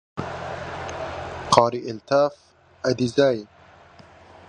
Qari Altaf Adezai